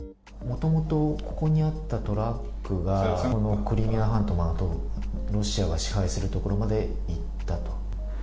もともとここにあったトラックが、このクリミア半島まで、ロシアが支配する所まで行ったと。